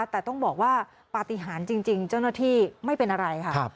แต่ต้องบอกว่าปฏิหารจริงเจ้าหน้าที่ไม่เป็นอะไรค่ะ